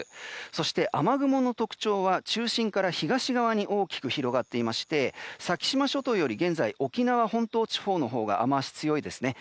そして、雨雲の特徴は中心から東側に大きく広がっていまして先島諸島より現在、沖縄本島地方のほうが雨脚が強いですね。